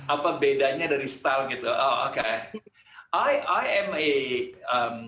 apa bedanya dari style gitu oke